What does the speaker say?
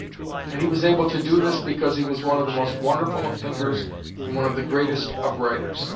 And he was able to do this because he was one of the most wonderful of thinkers and one of the greatest of writers.